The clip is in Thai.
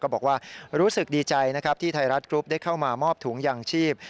บอกว่ารู้สึกดีใจนะครับที่ไทยรัฐกรุ๊ปได้เข้ามามอบถุงยางชีพ